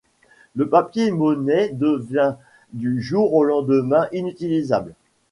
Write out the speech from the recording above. Le papier monnaie devint du jour au lendemain inutilisable.